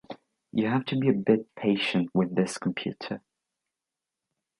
You have to be a bit patient with this computer.